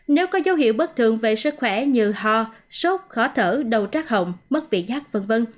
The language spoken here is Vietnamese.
nếu có dấu hiệu bất thường về sức khỏe như ho sốt khó thở đầu trác hỏng mất vị giác v v